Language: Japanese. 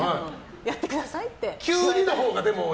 やってくださいって。